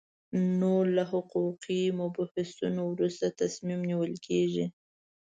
نو له حقوقي مبحثونو وروسته تصمیم نیول کېږي.